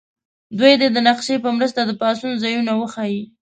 دوی دې د نقشې په مرسته د پاڅون ځایونه وښیي.